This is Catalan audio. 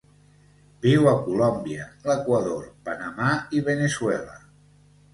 Viu a Colòmbia, l'Equador, Panamà i Veneçuela.